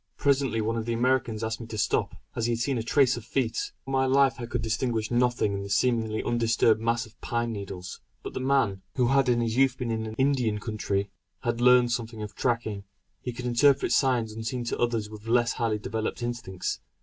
Presently one of the Americans asked me to stop, as he had seen a trace of feet. For my life I could distinguish nothing in the seemingly undisturbed mass of pine needles. But the man, who in his youth had been in Indian country, had learned something of tracking; he could interpret signs unseen to others with less highly developed instincts.